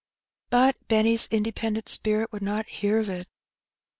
But Benny ^s independent spirit would not hear of it.